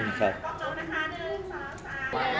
โปรดติดตามตอนต่อไป